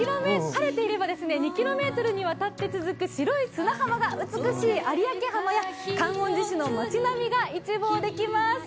晴れていれば２ｋｍにわたって白い砂浜の有明浜や観音寺市の街並みが一望できます。